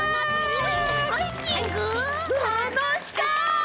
たのしそう！